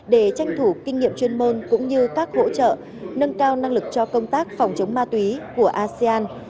để tranh thủ kinh nghiệm chuyên môn cũng như các hỗ trợ nâng cao năng lực cho công tác phòng chống ma túy của asean